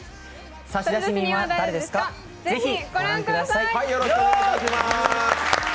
「差出人は、誰ですか？」、ぜひご覧ください。